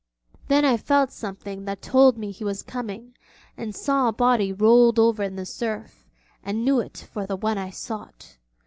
Then I felt something that told me he was coming and saw a body rolled over in the surf, and knew it for the one I sought.